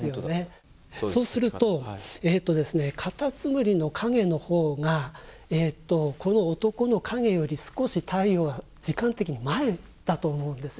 そうするとカタツムリの影のほうがこの男の影より少し太陽が時間的に前だと思うんですよ。